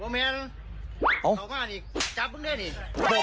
บ้าแม่นเขามานี่จับมึงได้นี่